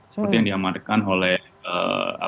seperti yang diamarkan oleh komisi delagau